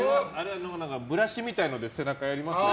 ブラシみたいなので背中はやりますか？